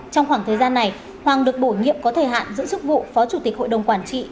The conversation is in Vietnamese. trong khoảng thời gian này hoàng được bổ nhiệm có thời hạn giữ chức vụ phó chủ tịch hội đồng quản trị